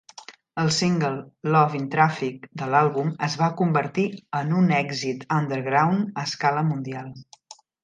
El single "Love In Traffic" de l'àlbum es va convertir en un èxit underground a escala mundial.